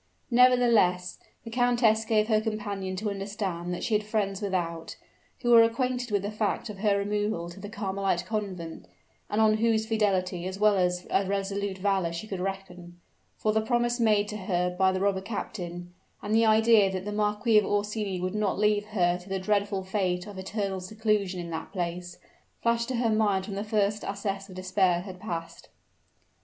Nevertheless, the countess gave her companion to understand that she had friends without, who were acquainted with the fact of her removal to the Carmelite convent, and on whose fidelity as well as a resolute valor she could reckon; for the promise made to her by the robber captain, and the idea that the Marquis of Orsini would not leave her to the dreadful fate of eternal seclusion in that place, flashed to her mind when the first access of despair had passed.